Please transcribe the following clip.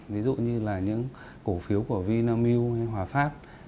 ví dụ như là những cổ phiếu của vinamil hòa pháp